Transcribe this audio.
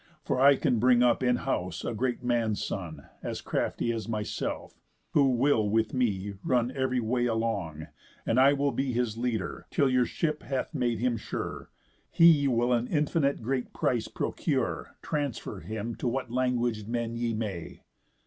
For I bring up in house a great man's son, As crafty as myself, who will with me Run ev'ry way along, and I will be His leader, till your ship hath made him sure. He will an infinite great price procure, Transfer him to what languag'd men ye may.